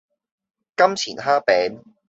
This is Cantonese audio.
金錢蝦餅